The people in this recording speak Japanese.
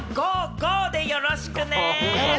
ゴ！でよろしくね！